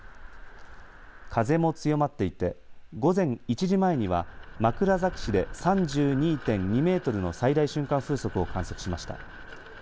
風も強まっていて、午前１時前には枕崎市で３２．２メートルの最大瞬間風速を観測しました。